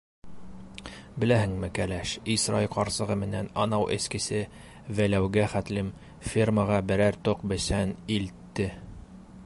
Беләһеңме, кәләш, Исрай ҡарсығы менән анау эскесе Вәләүгә хәтлем фермаға берәр тоҡ бесән илтте!